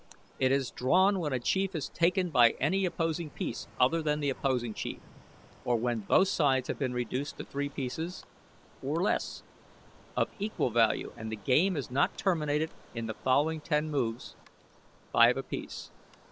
It is drawn when a Chief is taken by any opposing piece other than the opposing Chief; or when both sides have been reduced to three pieces, or less, of equal value, and the game is not terminated in the following ten moves, five apiece.